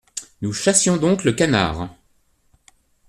Nous chassions donc le canard…